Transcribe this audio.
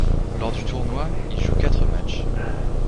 Lors du tournoi, il joue quatre matchs.